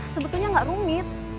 sebetulnya gak rumit